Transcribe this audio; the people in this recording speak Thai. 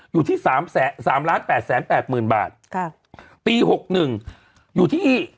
อยู่ที่๕๒๓๓๐๐๐บาท